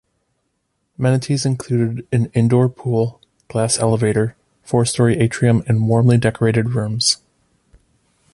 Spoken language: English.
Amenities included an indoor pool, glass elevator, four-storey atrium and warmly decorated rooms.